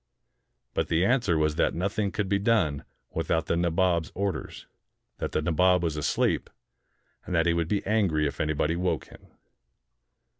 But the answer was that nothing could be done without the Nabob's orders, that the Na bob was asleep, and that he would be angry if anybody woke him.